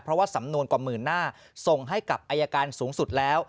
เพราะว่าสำนวนกว่าหมื่นหน้าส่งให้กับอายการสูงสุดแล้ว